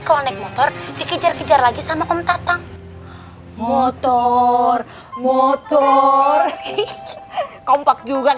kalau naik motor dikejar kejar lagi sama kentatang motor motor kompak juga